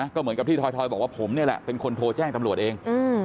ก็เหมือนกับที่ทอยบอกว่าผมนี่แหละเป็นคนโทรแจ้งตำรวจเอง